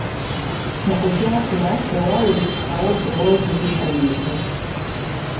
Mu kukyatula tewawulikikawo ddoboozi liggumivu.